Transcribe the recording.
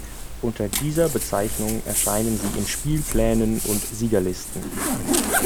Unter dieser Bezeichnung erscheinen sie in Spielplänen und Siegerlisten.